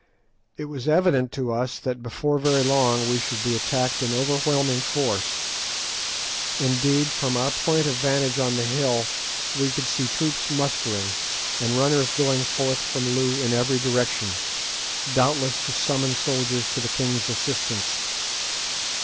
It was evident to us that before very long we should be attacked in overwhelming force. Indeed, from our point of vantage on the hill we could see troops mustering, and runners going forth from Loo in every direction, doubtless to summon soldiers to the king's assistance.